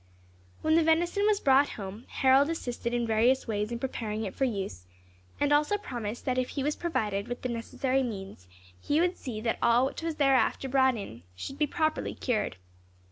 When the venison was brought home, Harold assisted in various ways in preparing it for use; and also promised that if he was provided with the necessary means, he would see that all which was thereafter brought in should be properly cured.